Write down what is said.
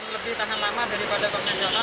lebih tahan lama daripada konvensional